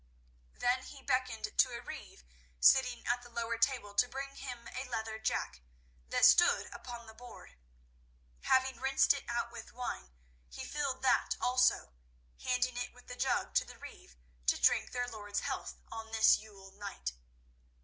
Then he beckoned to a reeve sitting at the lower table to bring him a leather jack that stood upon the board. Having rinsed it out with wine, he filled that also, handing it with the jug to the reeve to drink their lord's health on this Yule night.